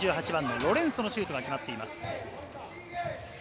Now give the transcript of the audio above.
ロレンソのシュートが決まっています。